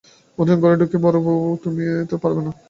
মধুসূদন ঘরে ঢুকেই বললে, বড়োবউ, তুমি যেতে পারবে না।